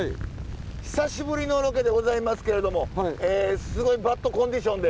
久しぶりのロケでございますけれどもすごいバッドコンディションで。